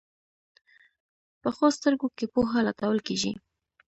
پخو سترګو کې پوهه لټول کېږي